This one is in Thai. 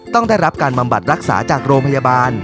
ต้องได้รับการบำบัดรักษาจากโรงพยาบาล